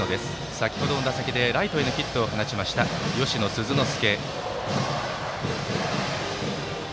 先程の打席でライトへのヒットを打った吉野鈴之助。